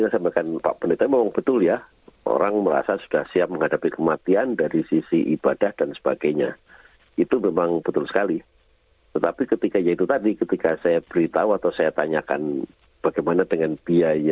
sehari berita pending hari ini